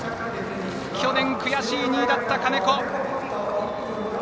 去年悔しい２位だった金子。